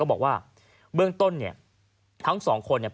บอกว่าเบื้องต้นเนี่ยทั้งสองคนเนี่ย